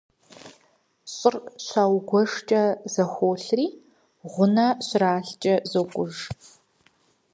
ЩӀыр щагуэшкӀэ зэхуолъри, гъунэ щралъкӀэ зокӀуж.